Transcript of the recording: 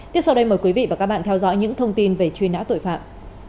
tiếp sau đây mời quý vị và các bạn theo dõi những thông tin về truy nã tội phạm